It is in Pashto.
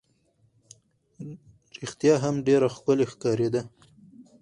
رښتیا هم ډېره ښکلې ښکارېده.